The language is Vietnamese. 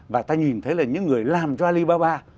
và ta nhìn thấy là những người làm ra alibaba